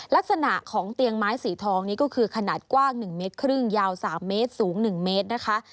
ลักษณะของเตียงไม้สีทองนี้ก็คือขนาดกว้าง๑เมตรครึ่งยาว๓เมตรสูง๑เมตรนะคะ